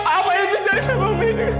apa yang terjadi sama minda